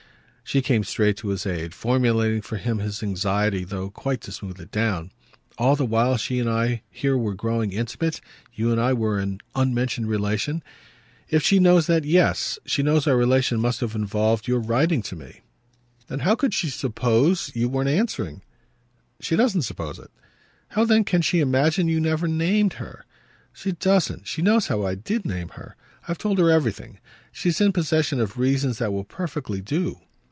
She came straight to his aid, formulating for him his anxiety, though quite to smooth it down. "All the while she and I here were growing intimate, you and I were in unmentioned relation? If she knows that, yes, she knows our relation must have involved your writing to me." "Then how could she suppose you weren't answering?" "She doesn't suppose it." "How then can she imagine you never named her?" "She doesn't. She knows now I did name her. I've told her everything. She's in possession of reasons that will perfectly do."